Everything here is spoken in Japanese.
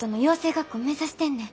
学校目指してんねん。